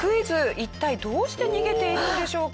一体どうして逃げているんでしょうか？